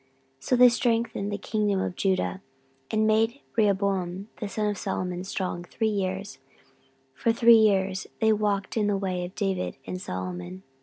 14:011:017 So they strengthened the kingdom of Judah, and made Rehoboam the son of Solomon strong, three years: for three years they walked in the way of David and Solomon.